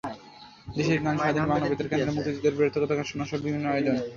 দেশের গান, স্বাধীন বাংলা বেতার কেন্দ্রের গান, মুক্তিযুদ্ধের বীরত্বগাথা শোনাসহ বিভিন্ন আয়োজন।